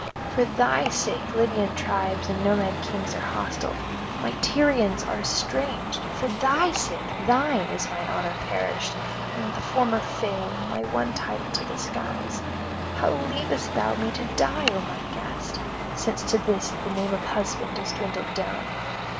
For thy sake Libyan tribes and Nomad kings are hostile; my Tyrians are estranged; for thy sake, thine, is mine honour perished, and the former fame, my one title to the skies. How leavest thou me to die, O my guest? since to this the name of husband is dwindled down.